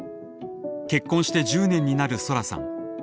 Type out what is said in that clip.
結婚して１０年になるソラさん。